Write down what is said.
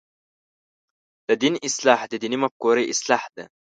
د دین اصلاح د دیني مفکورې اصلاح ده.